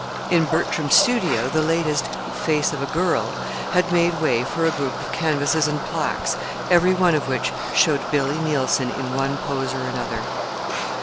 In Bertram's studio the latest "Face of a Girl" had made way for a group of canvases and plaques, every one of which showed Billy Neilson in one pose or another.